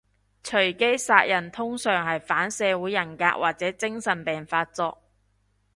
隨機殺人通常係反社會人格或者精神病發作